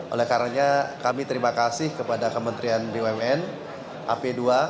oleh karena kami terima kasih kepada kementerian bumn ap dua